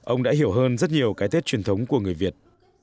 ông đã hiểu hơn rất nhiều cái tết truyền thống của người việt